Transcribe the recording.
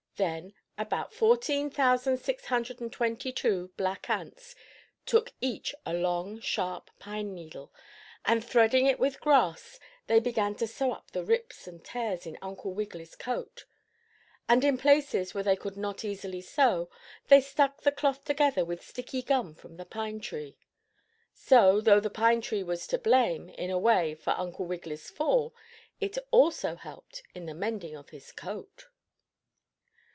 Then, about fourteen thousand six hundred and twenty two black ants took each a long, sharp pine needle, and threading it with grass, they began to sew up the rips and tears in Uncle Wiggily's coat. And in places where they could not easily sew they stuck the cloth together with sticky gum from the pine tree. So, though the pine tree was to blame, in a way, for Uncle Wiggily's fall, it also helped in the mending of his coat.